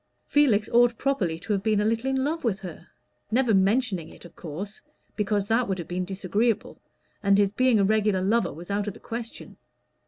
Felix ought properly to have been a little in love with her never mentioning it, of course, because that would have been disagreeable, and his being a regular lover was out of the question.